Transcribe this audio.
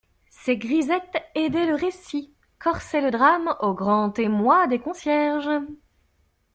Ses grisettes aidaient le récit, corsaient le drame au grand émoi des concierges.